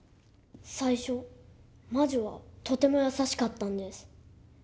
最初魔女はとても優しかったんです。